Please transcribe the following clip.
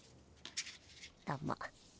どうも。